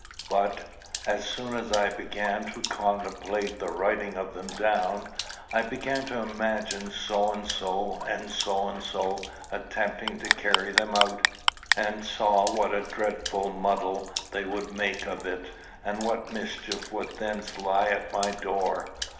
But, as soon as I began to contemplate the writing of them down, I began to imagine So and so and So and so attempting to carry them out, and saw what a dreadful muddle they would make of it, and what mischief would thence lie at my door.